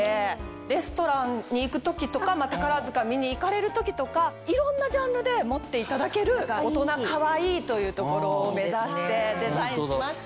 レストランに行く時とか宝塚見に行かれる時とかいろんなジャンルで持っていただける大人かわいいというところを目指してデザインしました。